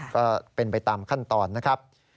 ก็เป็นไปตามขั้นตอนนะครับ